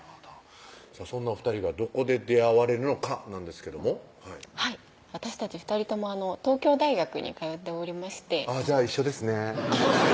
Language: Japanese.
そんなお２人がどこで出会われるのかなんですけどもはい私たち２人とも東京大学に通っておりましてあぁじゃあ一緒ですね